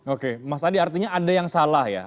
oke mas adi artinya ada yang salah ya